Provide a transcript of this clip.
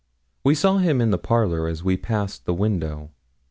We saw him in the parlour as we passed the window.